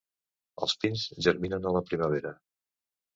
Els pins germinen a la primavera.